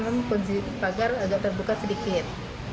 kemudian kondisi pagar agak terbuka sedikit